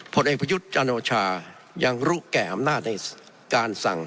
ผลเอกประยุทธ์จันโอชายังรู้แก่อำนาจในการสั่ง